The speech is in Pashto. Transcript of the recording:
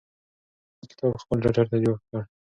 هیلې یو کتاب خپل ټټر ته جوخت کړ.